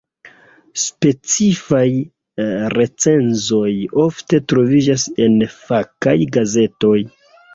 Specifaj recenzoj ofte troviĝas en fakaj gazetoj.